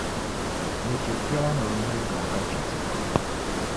Di chɛ biɛla ni bɛ ŋmalgi a ka chɛ ti.